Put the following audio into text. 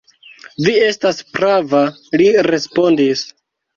Vi estas prava, li respondis.